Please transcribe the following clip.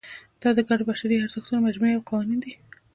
دا د ګډو بشري ارزښتونو مجموعې او قوانین دي.